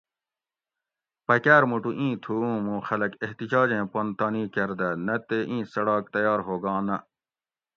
پکار موٹو ایں تھو اوں موُں خلک احتجاجیں پن تانی کۤردہ نہ تے ایں څڑاک تیار ہوگاں نہ